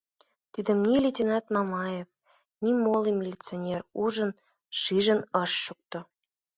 Тидым ни лейтенант Мамаев, ни моло милиционер ужын-шижын ыш шукто...